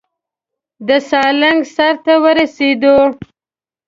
د سالنګ سر ته ورسېدو.